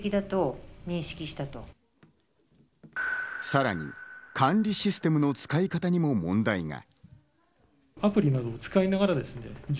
さらに管理システムの使い方にも問題が。